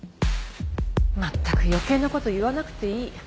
まったく余計なこと言わなくていい。